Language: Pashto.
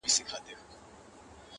اې د ویدي د مست سُرود او اوستا لوري،